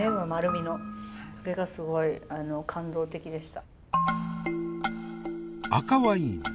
それがすごい感動的でした。